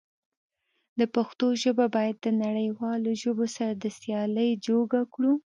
د پښتو ژبه بايد د نړيوالو ژبو سره د سيالی جوګه کړو.